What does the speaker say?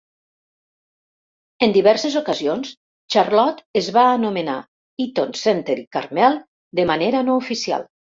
En diverses ocasions, Charlotte es va anomenar Eaton Centre i Carmel de manera no oficial.